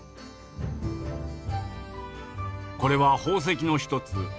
これは宝石の一つ琥珀。